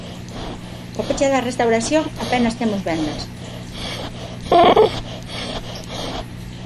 Co peche da restauración apenas temos vendas.